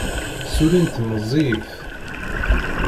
Ssullint meẓẓiyit.